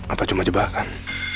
apa cuma jebakan